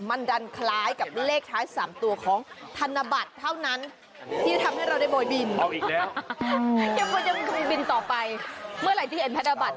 มันดันคล้ายกับเลขท้าย๓ตัวของธนบัตรเท่านั้นที่จะทำให้เราได้โบยบินต่อไป